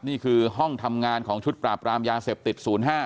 นี่คือห้องทำงานของชุดปราบรามยาเสพติด๐๕